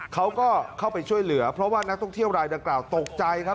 เขาก็เข้าไปช่วยเหลือเพราะว่านักท่องเที่ยวรายดังกล่าวตกใจครับ